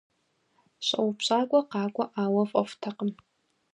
Щӏэупщӏакӏуэ къакӏуэӏауэ фӏэфӏтэкъым.